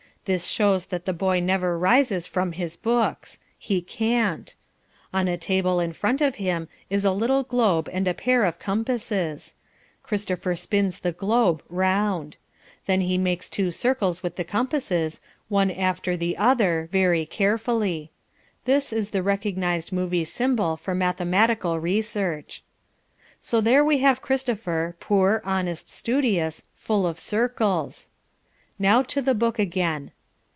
This shows that the boy never rises from his books. He can't. On a table in front of him is a little globe and a pair of compasses. Christopher spins the globe round. Then he makes two circles with the compasses, one after the other, very carefully. This is the recognised movie symbol for mathematical research. So there we have Christopher poor, honest, studious, full of circles. Now to the book again.